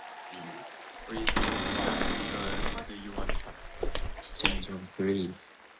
Each song on the record represents one of the six stages of grief.